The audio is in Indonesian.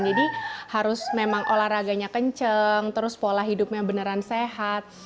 jadi harus memang olahraganya kenceng terus pola hidupnya beneran sehat